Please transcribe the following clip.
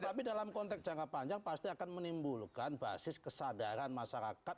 tetapi dalam konteks jangka panjang pasti akan menimbulkan basis kesadaran masyarakat